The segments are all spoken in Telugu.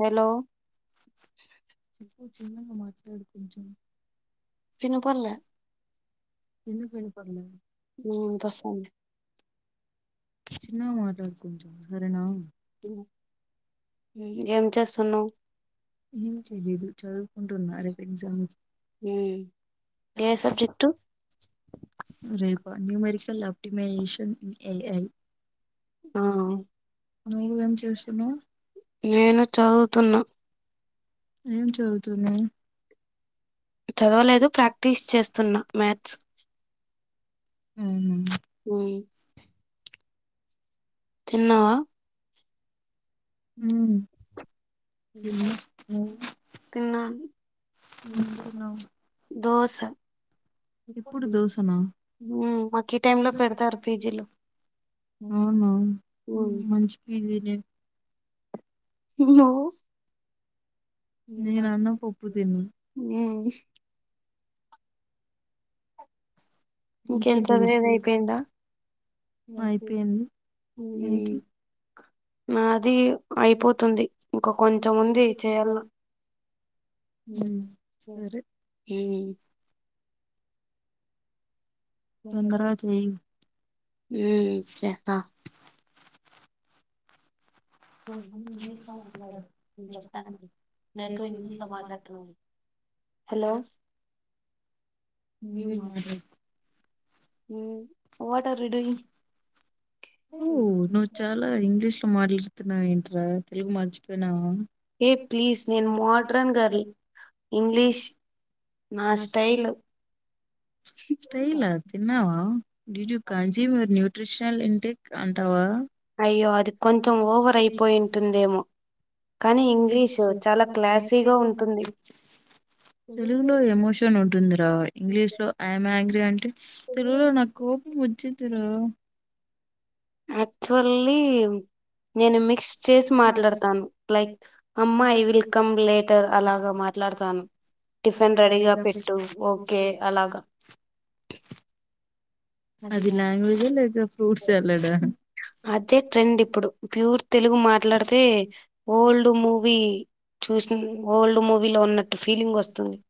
హలో చెప్పు చిన్నగా మాట్లాడు కొంచెం వినపడలే నీ బస ఎం ఏం చేయలేదు చదువుకుంటున్న రేపూ ఎగ్జామ్కి రెప న్యూమెరికల్ ఆప్టిమజేషన్ ఇఏఐ నేను గాని చేశాను నేను చదువుతున్నా ఏం చదువుతున్నావు చదవలేదు ప్రాక్టీస్ చేస్తున్నా మ్యాథ్స్ ఉమ్ తిన్నావా తిన్నాను దోస స ఎప్పుడు దోశనా అవునా మంచి పిజినే లో నేను అన్నం పప్పు తిన్న ఇంకెంత ఏద అయిపోయిందా అయిపోయింది ఉం మాది అయిపోతుంది ఇంకా కొంచెం ఉంది చేయాల ఉమ్ తొందర ఉమ్ చేస్తా నువ్వు ఎక్కువ ఇంగ్లీష్ లో మాట్లాడుతున్నావని హలో నువ్వే మాట్లాడు వాట్ ఆర్ యు డూయింగ్ ఓ నువ్ చాలా ఇంగ్లీష్ లో మాటల చెప్తున్నావ్ ఏంట్రా తెలుగు మర్చిపోయినా స్టైల్ తిన్నావా బీజు గజీ మను నుట్రిషనల్ ఇంటెక్స్ అయ్యో అది కొంచెం ఓవర్ అయిపోయింటుందేమో తెలుగులో ఎమోషన్ ఉంటంది ఇంగ్లీష్ లో ఏం యాంగ్రీ అంటే తెలుగులో నా కోపం తింటారా అక్టువలీ నేను మిక్స్ చేసి మాట్లాడతాను లైక్ అమ్మా ఐ విల్ కమ్ లేయర్ అలాగా మాట్లాడతాను టిఫిన్ రెడీగా పెట్టు ఓకే అలాగా అది లాంగ్వేజ్ అ అదే ట్రెండ్ ఇప్పుడు ప్యూర్ తెలుగు మాట్లాడితే ఓల్డ్ మూవీ చూసిన ఓల్డ్ మూవీలో ఉన్నట్టు ఫీలింగ్ వస్తుంది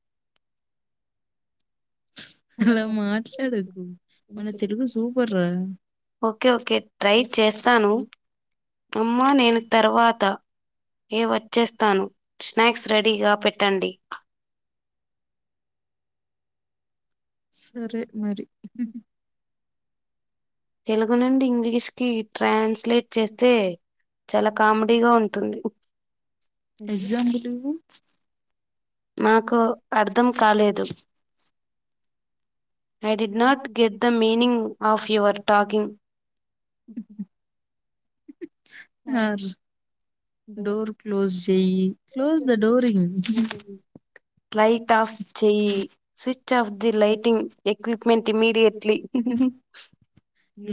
అలా మాట్లాడకు మన తెలుగు సూపర్ రా ఓకే ఓకే ట్రై చేస్తాను అమ్మ నేను తర్వాత ఏ వచ్చేస్తాను స్నాక్స్ రెడీగా పెట్టండి సరే మరి తెలుగు నుండి ఇంగ్లీష్ కి ట్రాన్స్ చేస్తే చాలా కామెడీగా ఉంటుంది నాకు అర్థం కాలేదు I did not get the meaning of your talking ఆ డోర్ క్లోజ్ చెయ్యి క్లోజ్ ది డోర్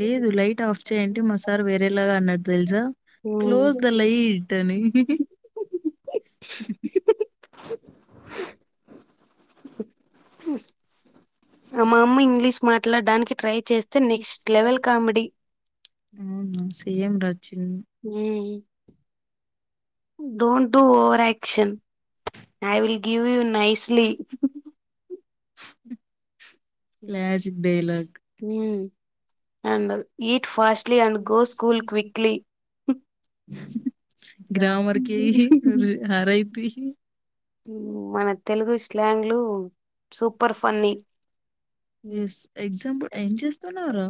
లేదు లైట్ ఆఫ్ చే్యంటే మా సార్ వేరేలాగా అన్న తెలుస క్లోజ్ ది లైట్ [unintelligible] ఆ మా అమ్మ ఇంగ్లీష్ మాట్లాడడానికి ట్రై అవు ఏంట్రా హ don't do over action I will give you nicely. [inaudible] Classic dialogue. హు అండల్ ఈ fastly and go school quickly. మన తెలుగు ఇస్లాంగ్లు. Yes example. ఏం చేస్తున్నావురా.